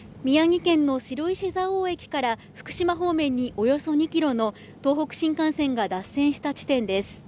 宮城県の白石蔵王駅から福島方面におよそ２キロの東北新幹線が脱線した地点です